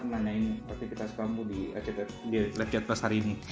nganain aktivitas kamu di live chat plus hari ini